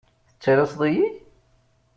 Tettalaseḍ-iyi?